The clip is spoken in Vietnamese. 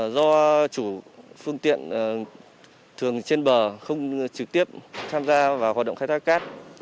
do chủ phương tiện thường trên bờ không trực tiếp tham gia vào hoạt động khai thác cát